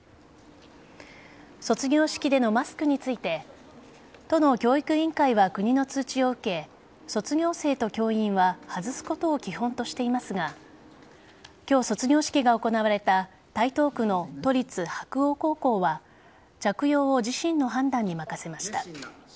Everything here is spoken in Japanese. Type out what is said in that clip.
卒業式でのマスクについて都の教育委員会は国の通知を受け卒業生と教員は外すことを基本としていますが今日、卒業式が行われた台東区の都立白鴎高校は着用を自身の判断に任せました。